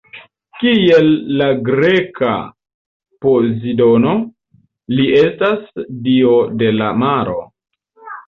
Kiel la greka Pozidono, li estas dio de la maro.